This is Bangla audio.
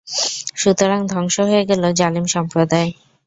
সুতরাং ধ্বংস হয়ে গেল জালিম সম্প্রদায়।